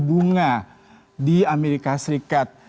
bunga di amerika serikat